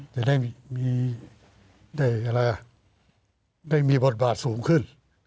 จะได้มีบทบาทสูงขึ้น